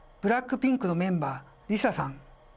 ＢＬＡＣＫＰＩＮＫのメンバーＬＩＳＡさん。